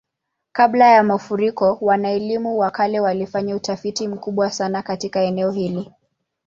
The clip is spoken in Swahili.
Kabla ya mafuriko, wana-elimu wa kale walifanya utafiti mkubwa sana katika eneo hili.